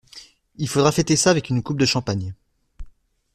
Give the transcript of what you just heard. Il faudra fêter ça avec une coupe de champagne.